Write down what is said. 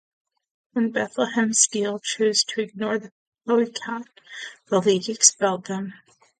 When Bethlehem Steel chose to ignore the boycott, the league expelled them.